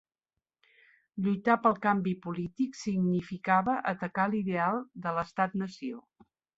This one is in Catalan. Lluitar pel canvi polític significava atacar l'ideal de l'estat nació.